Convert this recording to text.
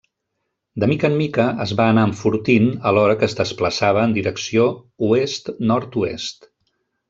De mica en mica es va anar enfortint alhora que es desplaçava en direcció oest-nord-oest.